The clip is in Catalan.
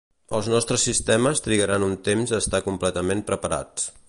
Els nostres sistemes trigaran un temps a estar completament preparats.